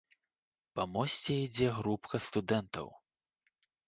Па мосце ідзе групка студэнтаў.